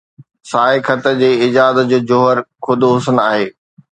سائي خط جي ايجاد جو جوهر خود حسن آهي